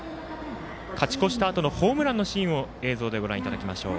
勝ち越したあとのホームランのシーンを映像でご覧いただきましょう。